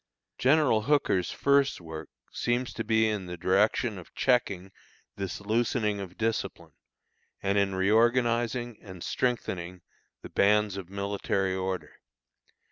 General Hooker's first work seems to be in the direction of checking this loosening of discipline, and in reorganizing and strengthening the bands of military order.